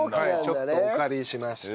ちょっとお借りしました。